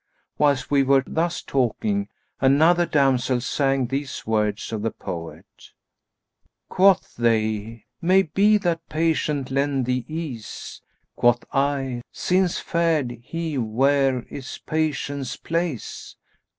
Whilst we were thus talking, another damsel sang these words of the poet, 'Quoth they, 'Maybe that Patience lend thee ease!' * Quoth I, 'Since fared he where is Patience' place?